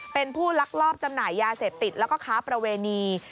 เป็นผู้ลักลอบจำหน่ายยาเสพติดแล้วก็ค้าประเวณี